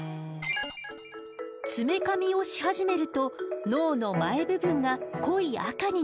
爪かみをし始めると脳の前部分が濃い赤になったでしょ。